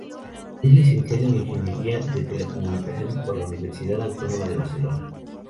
Licenciado en ingeniería de telecomunicaciones por la Universidad Autónoma de Barcelona.